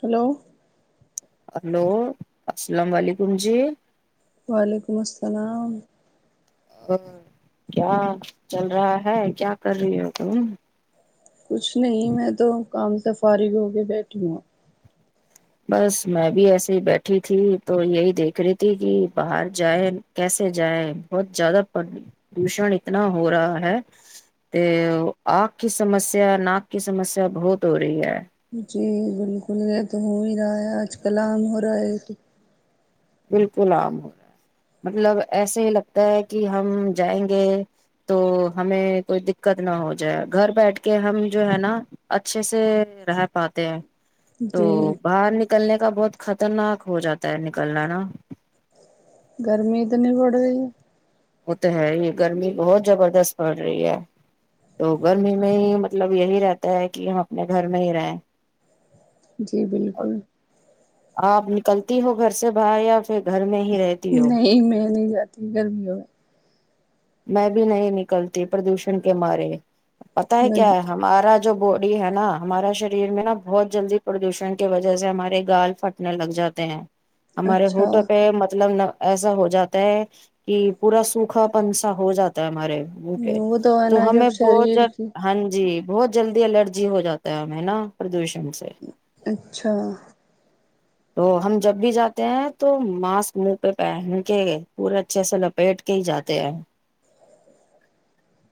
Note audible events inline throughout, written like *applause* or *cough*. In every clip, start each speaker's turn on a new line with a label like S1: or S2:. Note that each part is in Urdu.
S1: ہلو
S2: ہلو السلام علیکم جی
S1: وعلیکم السلام
S2: کیا چل رہا ہے کیا کر رہی ہو تم
S1: کچھ نہیں میں تو کام سے فارغ ہو کے بیٹھی ہوں
S2: بس میں بھی ایسے ہی بیٹھی تھی تو یہی دیکھ رہی تھی کہ باہر جائے کیسے جائیں بہت زیادہ پردوشن اتنا ہو رہا ہے کہ آگ کی سمسیا ناک کی سمسیا بہت ہو رہی ہے
S1: جی بالکل یہ تو ہو ہی رہا ہے آج کل آام ہو رہا ہے
S2: بالکل عام ہو جا مطلب ایسے ہی لگتا ہے کہ ہم جائیں گے تو ہمیں کوئی دقت نہ ہو جائے گھر بیٹھ کے ہم جو ہے نا اچھے سے رہ پاتے ہیں تو
S1: جی
S2: باہر نکلنے کا بہت خطرناک ہو جاتا ہے نکلنا ہا
S1: گرمی اتنی پڑ رہی ہے
S2: ہوتا ہے یہ گرمی بہت زبردست پڑ رہی ہے تو گرمی میں ہی مطلب یہی رہتا ہے کہ ہم اپنے گھر میں ہی رہیں
S1: جی بالکل
S2: آپ نکلتی ہو گھر سے باہر یاپ
S1: نہیں میں نہیں گرمی ہو
S2: میں بھی نہیں نکلتی پردوشن کے مارے پت ہے
S1: میں
S2: کیا ہے ہمارا جو باڈی ہے نا ہمارا شریر میں نا بہت جلدی پردوشن کی وجہ سے ہمارے گال پھٹنے لگ جاتے ہیں ہمارے
S1: اچھا
S2: ہوٹل پہ مطلب ایسا ہو جاتا ہے کہ پورا سوکھا پنچ ا ہو جاتا ہے ہمارے ک
S1: وہ ہے
S2: تو
S1: نا
S2: ہمیں
S1: جب
S2: بہت ج
S1: شریر کی
S2: ہاں جی بہت جلدی الرجی ہو جاتا ہے ہمیں نا پردوشن سے
S1: اچھا
S2: تو ہم جب بھی جاتے ہیں تو ماسک منہ پہ پہن کے پورے اچھے سے لپیٹ کے ہی جاتے ہیں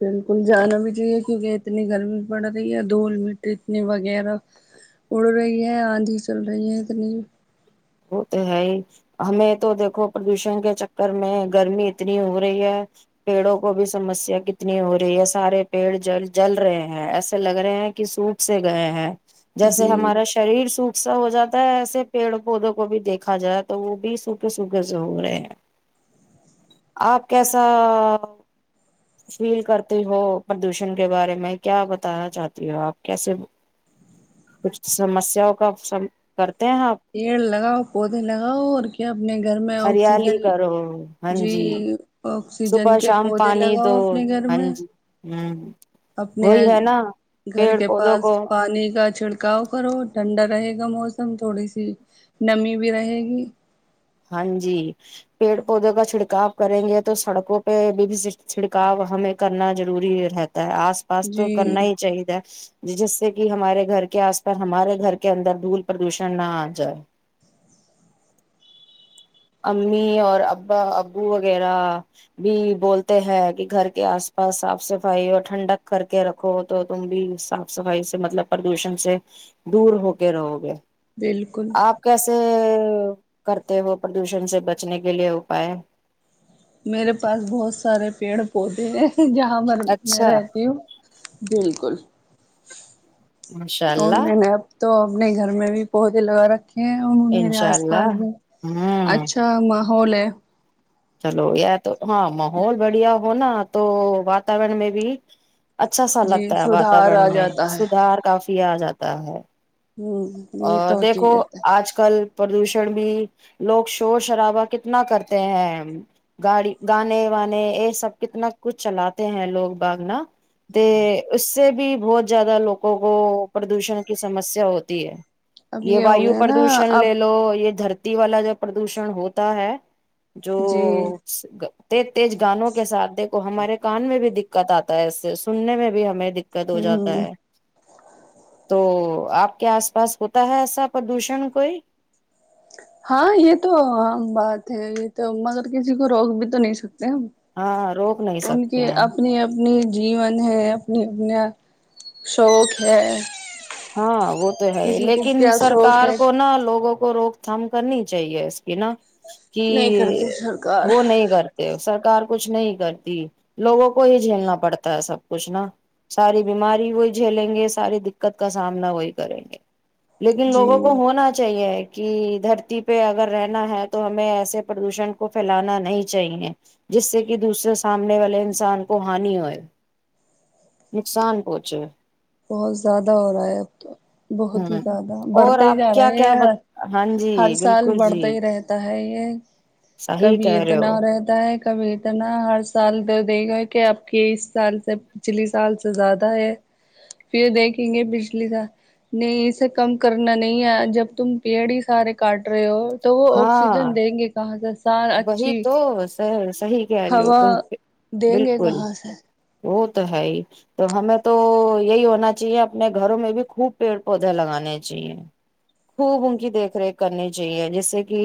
S1: بالکل جانا بھی چاہیے کیونکہ اتنی گرمی پڑ رہی ہے دھول میٹ اتنی وغیرہ اڑ رہی ہے آندھی چل رہی ہے اتنی
S2: وہ تو ہے ہی ہمیں تو دیکھو پردوشن کے چکر میں گرمی اتنی ہو رہی ہے پیڑوں کو بھی سمسیا کتنی ہو رہی ہے سارے پیڑ جل جل رہے ہیں ایسے لگ رہے ہیں کہ سوپ سے گئے ہیں جیسے
S1: جی
S2: ہمارا شریر سوکھ اا ہو جاتا ہے ایسے پیڑ پودوں کو بھی دیکھا جائے تو وہ بھی سوکھے سوکھے سے ہو رہے ہیں آپ کیسا فیل کرتے ہو پردوشن کے بارے میں کیا بتانا چاہتی ہو آپ کیسے کچھ سمسیا کا کرتے ہیں آپ
S1: پیڑ لگاؤ پودے لگاؤ اور کیا اپنے گھر میں
S2: ہریالی
S1: آکسیجن
S2: کرو ہاں
S1: جی
S2: صبح
S1: آکسیجن کے
S2: شام
S1: پودے
S2: پانی
S1: لگاؤ
S2: دو
S1: اپنے گھر
S2: ہاں
S1: میں
S2: جی ہوں
S1: اپنے
S2: وہی ہے نا
S1: گھر
S2: پیڑ
S1: کے
S2: پودوں
S1: پاس
S2: کو
S1: پانی کا چڑک تھکاؤ کرو ٹھنڈا رہے گا موسم تھوڑی سی نمی بھی رہے گی
S2: ہاں جی پیڑ پودوں کا چھڑکاو کریں گے تو سڑکوں پہ بھی بھی چھڑکاؤ ہمیں کرنا ضروری رہتا آس پاس
S1: جی
S2: تو کرنا ہی چاہید ہے ج جس سے کہ ہمارے گھر کے آس پاس ہمارے گھر کے اندر دھول پردوشن نہ آ جائے امی اور ابا ابو وغیرہ بھی بولتے ہیں کہ گھر کے آس پاس صاف صفائی اور ٹھنڈک کر کے رکھو تو تم بھی صاف صفائی سے مطلب پردوشن سے دور ہو کے رہو گے
S1: بالکل
S2: آپ کیسے کرتے ہو پردوشن سے بچنے کے لیے اپائے
S1: میرے پاس بہت سارے پیڑ پودے ہیں جہاں م میں
S2: اچھا
S1: رہتی ہوں بالکل
S2: ماشاء
S1: اور
S2: اللہ
S1: میں نے اب تو اپنے گھر میں بھی پودے لگا رکھ میرے
S2: انشاء
S1: آس
S2: اللہ
S1: پاس بھی
S2: ہوں
S1: اچھا ہوول
S2: چلو یار تو ہاں ماہحول بڑھیا ہو نا تو واتورن میں بھی اچھا سا
S1: جی
S2: لگتا ہے
S1: سدھار
S2: واتورن
S1: آ
S2: میں
S1: جاتا ہے
S2: سدار کافی کیا جاتا ہے
S1: ہ
S2: ا
S1: یہ تو
S2: دیکھو
S1: حقیقت ہے
S2: آج کل پردوشن بھی لوگ شور شرابا کتنا کرتے ہیں گاڑی گانے وانے یہ سب کتنا کچھ چلاتے ہیں لوگ باگنا ت اس سے بھی بہت زیادہ لوگوں کو پردوشن کی سمسیا ہوتی ہے
S1: اب
S2: یہ
S1: ہو
S2: وایو
S1: گیا نا
S2: پردوشن
S1: اب
S2: لے لو یہ دھرتی کتی والا جب پردوشن ہوتا ہے جو
S1: جی
S2: ایک تیج گانوں کے ساتھ دیکھو ہمارے کان میں بھی دقت آتی ایسے سننے میں بھی ہمیں د دقت ہو جاتا
S1: ہ
S2: ہے تو آپ کے آس پاس ہوتا ہےسا پردوشن کوئی
S1: ہاں یہ تو عام بات ہے یہ تو مگر کسی کو روک بھی تو نہیں سکتا
S2: ہاں روک نہیں
S1: ان
S2: سکتے
S1: کے
S2: ہیں
S1: اپنی اپنی جیون ہے اپنی اپنا شوق ہے
S2: ہاں وہ تو ہے
S1: کسی کو
S2: لیکن
S1: کیا شوق
S2: سرکار
S1: ہے
S2: کو نا لوگوں کو کو روک تھام کرنی چاہیے اس کی نا کہ
S1: نہیں کرتی سرکار
S2: وہ نہیں کرتے سرکار کچھ نہیں کرتی لوگوں کو ہی جھیلنا پڑتا ہے سب کچھ نا ساری بیماری وہ جھیلیں گے ساری دقت کا سامنا وہی کریں گے لیکن
S1: جی
S2: لوگوں کو ہونا چاہیے کہ دھرتی پہ اگر رہنا ہے تو ہمیں ایسے پردوشن کو پھیلانا نہیں چاہیے جس سے کہ دوسرے سامنے والے انسان کو ہانی ہوئے نقصان پہنچے
S1: بہت زیادہ ہو رہا ہے اب تو بہت ہی
S2: ہوں
S1: زیادہ
S2: اور
S1: بڑھتے ہی
S2: آپ
S1: جا
S2: کیا
S1: رہے
S2: کیا ب
S1: ہیں
S2: ہاں
S1: ہر
S2: جی
S1: سال
S2: بالکل
S1: بڑھتا
S2: جی
S1: ہی رہتا ہے ب یہ
S2: صحیح
S1: کبھی
S2: کہہ رہے
S1: اتنا
S2: ہو
S1: رہتا ہے کابھیتر ن ہر سال تو دیک گا کہ اب کی اس سال سے پچھلی سال سے زیادہ ہے پھر دیکھیں گے بجلی کا نہیں اسے کم کرنا نہیں ہے جب تم پیڑ ہی سارے کاٹ رہے ہو تو وہ
S2: ہاں
S1: آکسیجن دیں گے کہاں سے سار
S2: وہی
S1: اچھی
S2: تو سر صحی کہہ رہی ہو
S1: ہوا
S2: تم
S1: دیں گے
S2: بالکل
S1: کہاں سے
S2: وہ تو ہے ہی تو ہمیں تو یہی ہونا چاہیے اپنے گھروں میں بھی خوب پیڑ پودے لگانے چاہیے خوب ان کی دیکھ ریکھ کرنی چاہیے جیس سے کہ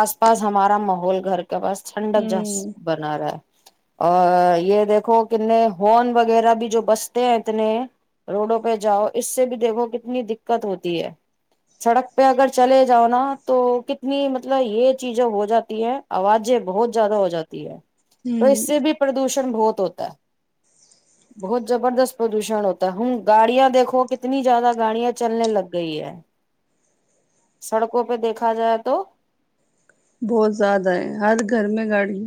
S2: آس پاس ہمارا ماحول گھر کے پاس ٹھنڈک جاس
S1: ہوں
S2: بنا رہا ہے اور یہ دیکھو کتنے ہارن وغیرہ بھی جو بستے ہیں اتنے روڈوں پہ جاؤ اس سے بھی دیکھو کتنی دقت ہوتی ہے سڑک پہ اگر چلے جاؤ نا تو کتنی مطلب یہ چیزیں ہو جاتی ہے آوازیں بہت زیادہ ہو جاتی ہے تو
S1: ہوں
S2: اس سے بھی پردوشن بہت ہوتا ہے بہت زبردست پردوشن ہوتا ہے ہ گاڑیاں دیکھو کتنی زیادہ گاڑیاں چلنے لگ گئی ہے سڑکوں پہ دیکھا جائے تو
S1: بہت زیادہ ہے ہر گھر میں گاڑی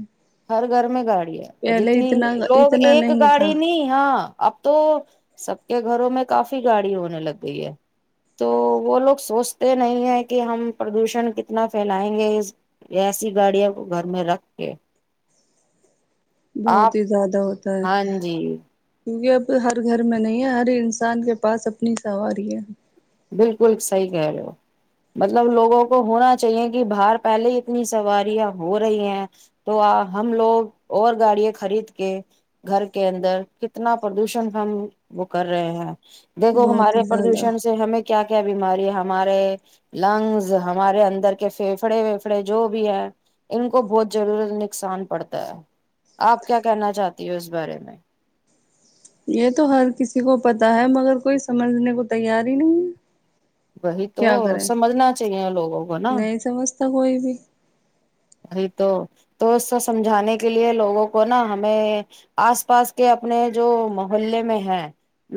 S2: ہر گھر میں گاڑ اور
S1: پہلے
S2: جتنی
S1: اتنا
S2: لوگ
S1: اتنا
S2: ایک
S1: نہیں تھا
S2: گاڑی نہیں ہاں اب تو سب کے گھروں میں کافی گاڑی ہونے لگ گئی ہے تو وہ لوگ سوچتے نہیں ہے کہ ہم پردوشن کتنا پھیلائیں گے ایسی گاڑیاں کو گھر میں رکھ کے آپ
S1: بہت ہی زیادہ ہوتا ہے
S2: ہاں جی
S1: کیونکہ اب ہر گھر میں نہیں ہے ہر انسان کے پاس اپنی سواری ہے
S2: بالکل صحیح کہہ رہے ہو مطلب لوگوں کو ہونا چاہیے کہ باہر پہلے ہی اتنی سواریاں ہو رہی ہیں تو ہم لوگ اور گاڑیے خرید کے گھر کے اندر کتنا پردوشن ہم وہ کر رہے ہیں دیکھو
S1: بہت
S2: ہمارے
S1: ہی زیادہ
S2: پردوشن ہمیں کیا کیا بیماری ہے ہمارے لنگز ہمارے اندر کے فھیفڑے ویفڑے جو بھی ہے ان کو بہت ضرورت نقصان پڑتا ہے آپ کیا کہنا چاہتی ہو اس بارے میں
S1: یہ تو ہر کسی کو پتاہ ہے مگر کوئی سمجھنے کو تیار ہی نہیں ہے
S2: وہی تو
S1: کیا کرے
S2: سمجھنا چاہیے لوگوں کو نا
S1: نہیں سمجھتا کوئی بھی
S2: ای تو تو اسب سمجھانے کے لیے لوگوں کو نا ہمیں آس پاس کے اپنے جو محلے میں ہے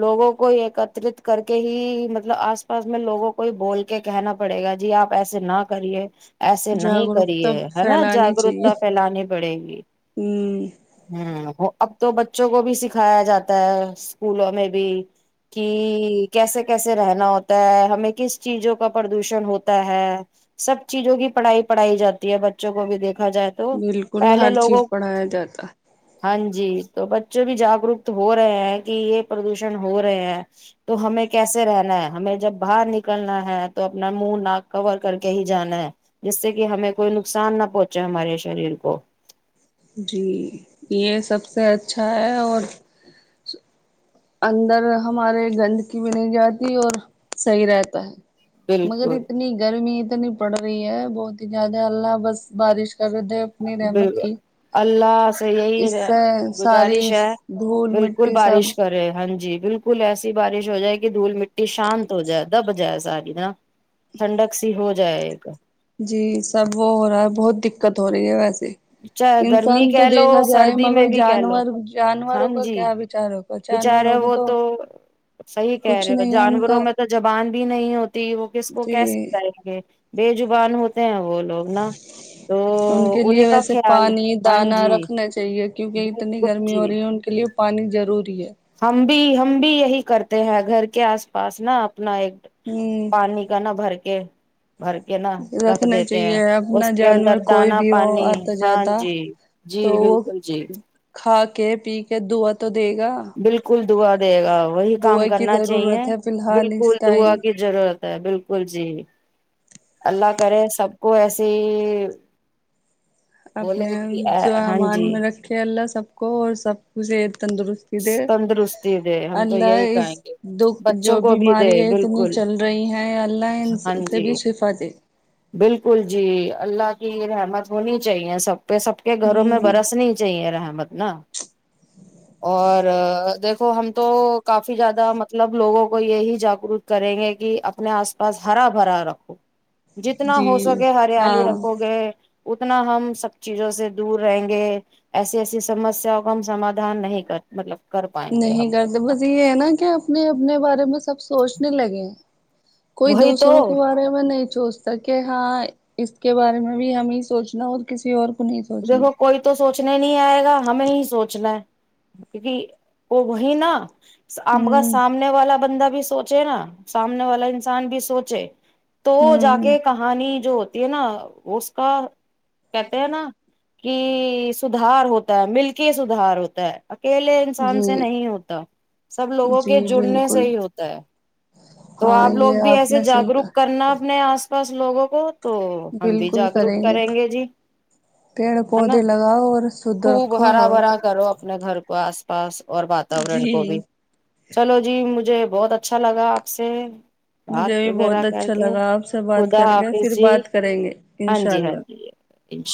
S2: لوگوں کو ایکترت کر کے ہی مطلب آس پاس میں لوگوں کو ہی بول کے کہنا پڑے گا جی آپ ایسے نہ کریے ایسے نہیں
S1: جاگروکتا
S2: کریے نا
S1: پھیلانی چاہیے
S2: جاگروکتا پھیلانی پڑے گی
S1: ہ
S2: ہ تو بچوں کو بھی سکھایا جاتا ہے اسکولوں میں بھی کہ کیسے کیسے رہنا ہوتا ہے ہمیں کس چیزوں کا پردوشن ہوتا ہے سب چیزوں کی پڑھائی پڑھائی جاتی ہے بچوں کو بھی دیک ا جائے تو
S1: بالکل
S2: پہلے
S1: ہر
S2: لوگوں
S1: چیز پڑھایا جاتا
S2: ہاں جی تو بچے بھی جاگروک ہو رہے ہیں کہ یہ پردوشن ہو رہے ہیں تو ہمیں کیسے رہنا ہے ہمیں جب باہر نکلنا ہے تو اپنا منہ ناک کور کر کے ہی جانا ہے جس سے کہ ہمیں کوئی نقصان نہ پہنچے ہمارے شریر کو
S1: جی یہ سب سے اچھا ہے اور اندر ہمارے گندگی بھی نہیں جاتی اور صحیح رہتا ہے مگر
S2: بالکل
S1: اتنی گرمینی نی پڑ رہی ہے بہت ہی زیادہ ہلہ بس بارش کر رہے تھے
S2: بال اللہ سے یہی
S1: اس سے ساری
S2: گزارش ہے
S1: دھول
S2: بالکل
S1: مٹی سب
S2: بارش کرے ہاں جی بالکل ایسی بارش ہو جائے کہ دھول مٹی شانت ہو جائے دب جائے ساری نا ٹھنڈک سی ہو جائے ایک
S1: *inaudible*
S2: چاہے گرمی
S1: انسان تو
S2: کہہ
S1: دیکھا
S2: لو
S1: جائے
S2: سردی میں
S1: مگر
S2: بھی کہہ لو
S1: جانور
S2: ہاں
S1: جانوروں کا
S2: جی
S1: کیا بچار ہوگا
S2: بچارے
S1: جانوروں کو
S2: وہ تو صحیح کہہ
S1: کچھ
S2: رہے ہو
S1: نہیں ہے ان
S2: جانوروں
S1: کا
S2: میں تو زبان بھی نہیں
S1: جی
S2: ہوتا *inaudible* بےجبان ہوتے ہیں وہ لوگ نا تو
S1: ان کے
S2: انیں
S1: لیے ویسے پانی دانا رکھنا چاہیے کیونکہ اتنی
S2: بالکل
S1: گرمی
S2: جی
S1: ہو رہی ہے ان کے لیے پانی ضرور ت ہے
S2: ہم بھی ہم بھی یہی کرتے ہیں گھر کے آس پاس نا آپ اپنا ایک
S1: ہ
S2: پانی کا نہ بھر کے بھر کے نا رکھ
S1: رکھنا
S2: دیتے ہیں
S1: چاہیے
S2: اس
S1: اپنا
S2: کے اندر
S1: جانور کوئی
S2: دانا
S1: بھی ہو
S2: پانی
S1: آتا
S2: ہاں
S1: جاتا
S2: جی جی
S1: تو وہ
S2: بالکل جی
S1: کھا کے پی کے د
S2: بالکل دا دے گا وہی کام
S1: دعا کی
S2: کرنا چاہیے
S1: ضرورت ہے فی الحال
S2: بالکل
S1: اس
S2: دعا
S1: ٹائم
S2: کی ضرورت بالکل جی اللہ کر سب کو ایسی
S1: اپنے جو امان میں رکھے اللہ سب اور سب کچھ تندرستی دے
S2: تندرستی دے ہم تو
S1: اللہ
S2: یہی
S1: اس
S2: کہیں گے
S1: دکھ
S2: بچوں
S1: جو
S2: کو بھی دے
S1: بیماری ہے اتنی
S2: بالکل
S1: چل رہی ہے اللہ ان
S2: ہاں
S1: سے
S2: جی
S1: بھی شفا دے
S2: بالکل جی اللہ کی رحمت ہونی چاہیے سب پہ سب کے گھروں میں
S1: ہوں
S2: برسنی چاہیے رحمت نا اور دیکھو ہم تو کافی زیادہ مطلب لوگوں کو یہی جاگروک کریں گے کہ اپنے آس پاس ہرا بھرا رکھو جتنا
S1: جی
S2: ہو سکے ہریالی
S1: ہاں
S2: رکھو گے اتنا ہم سب چیزوں سے دور رہیں گے ایسی ایسی سمسیا کا ہم سمادھان نہیں مطلب کر پائیں گے ہم
S1: نہیں کرتے
S2: لوگ
S1: بس یہ ہے نا کہ اپنے اپنے بارے میں سب سوچنے لگے کوئی
S2: وہی تو
S1: دوسروں کے بارے میں نہیں سوچتا کہ ہاں اس کے بارے میں بھی ہمیں سوچنا اور کسی اور کو نہیں سوچنا
S2: دیکھو کوئی تو سوچنے نہیں آئے گا ہمیں ہی سوچنا ہے کیونکہ وہ وہی نا آپ کا
S1: ہوں
S2: سامنے والا بندہ بھی بھی سوچے نا سامنے والا انسان بھی سوچے تو جا
S1: ہوں
S2: کے کہانی جو ہوتی ہے نا اس کا کہتے ہیں نا کہ سدھار ہوتا ہے مل کے سدھار ہوتا ہے اکیلے انسان سے
S1: جی
S2: نہیں ہوتا سب لوگوں
S1: جی
S2: کے جڑنے سے
S1: بالکل
S2: ہی ہوتا ہے تو
S1: ہاں
S2: آپ لوگ
S1: یہ
S2: بھی
S1: آپ
S2: ایسے
S1: نے صحیح
S2: جاگروک
S1: کہا
S2: کرنا اپنے آس بس لوگوں کو تو ہم بھی جاگروک کریں گے جی
S1: پیڑ
S2: ہے نا
S1: پودے لگاؤ اور شدھ
S2: خوب
S1: رکھو
S2: ہرا
S1: ہوا
S2: بھرا
S1: کو
S2: کرو اپنے گھر کو کو آس پاس اور
S1: جی
S2: واتورن کو بھی چلو جی مجھے بہت اچھا لگاپ سے بات
S1: مجھے بھی
S2: وغیرہ
S1: بہت
S2: کر
S1: اچھا
S2: کے
S1: لگا آپ سے بات
S2: خدا
S1: کر کے
S2: حافظ
S1: پھر
S2: جی
S1: بات کریں گے
S2: ہاں
S1: انشاء
S2: جی ہاں
S1: اللہ
S2: جی انشاء